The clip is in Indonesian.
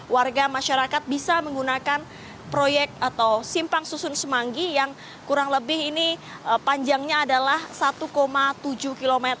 warga masyarakat bisa menggunakan proyek atau simpang susun semanggi yang kurang lebih ini panjangnya adalah satu tujuh km